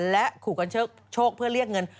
และขู่กันโชคเพื่อเรียกเงิน